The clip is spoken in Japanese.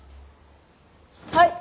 はい！